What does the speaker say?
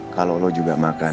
kalau lo juga makan